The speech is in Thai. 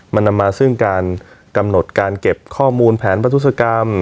มันนำมาซึ่งการกำหนดการเก็บข้อมูลแผนประทุศกรรม